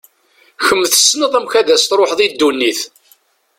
Kemm tessneḍ amek ad as-tṛuḥeḍ i ddunit.